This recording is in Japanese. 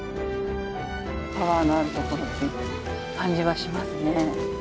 パワーのあるところって感じがしますね。